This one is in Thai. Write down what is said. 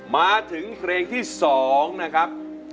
มาถึงเพลงที่๒นะครับ